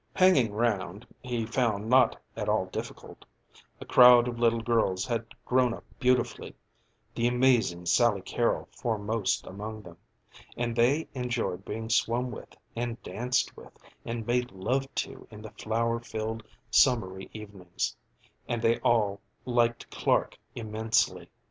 Hanging round he found not at all difficult; a crowd of little girls had grown up beautifully, the amazing Sally Carrol foremost among them; and they enjoyed being swum with and danced with and made love to in the flower filled summery evenings and they all liked Clark immensely.